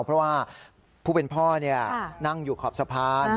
เพราะว่าผู้เป็นพ่อนั่งอยู่ขอบสะพาน